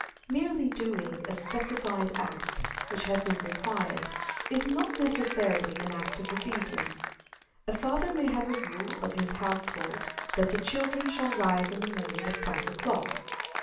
Merely doing a specified act, which has been required, is not necessarily an act of obedience. A father may have a rule of his household that the children shall rise in the morning at five o'clock.